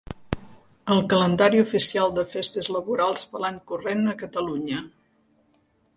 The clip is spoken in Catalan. El calendari oficial de festes laborals per a l'any corrent a Catalunya.